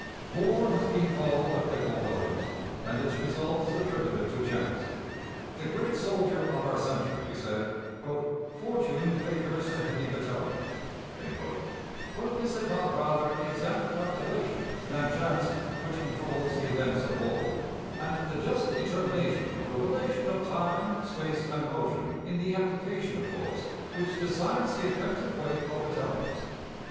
War has been called a fickle goddess, and its results attributed to chance. The great soldier of our century said, "Fortune favors the heavy battalions"; but is it not rather exact calculation than chance which controls the events of war, and the just determination of the relation of time, space, and motion in the application of force, which decides the effective weight of battalions?